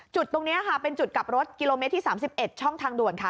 จุดตรงนี้ค่ะเป็นจุดกลับรถกิโลเมตรที่๓๑ช่องทางด่วนค่ะ